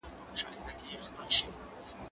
زه به سبا ليکنه وکړم؟